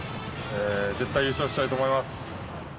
絶対優勝したいと思います。